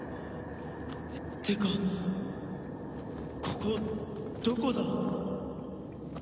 っていうかここどこだ？